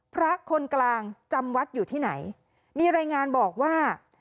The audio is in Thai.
พระคนกลางจำวัดอยู่ที่ไหนมีรายงานบอกว่า